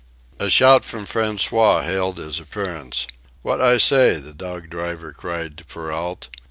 A shout from François hailed his appearance. "Wot I say?" the dog driver cried to Perrault.